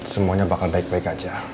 semuanya bakal baik baik aja